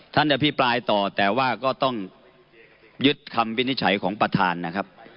ท่านอภิปรายต่อแต่ว่าก็ต้องยึดคำวินิจฉัยของประธานนะครับ